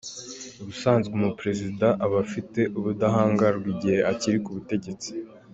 Ubusanzwe umuperezida aba afite ubudahangarwa igihe akiri ku butegetsi.